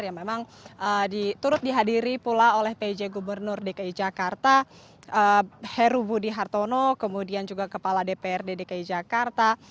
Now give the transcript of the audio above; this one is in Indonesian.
yang memang turut dihadiri pula oleh pj gubernur dki jakarta heru budi hartono kemudian juga kepala dpr dki jakarta